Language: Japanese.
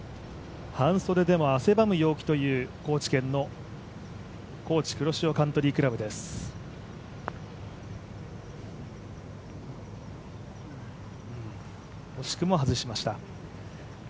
半袖でも汗ばむ陽気という高知県のＫｏｃｈｉ黒潮カントリークラブです惜しくも外しました。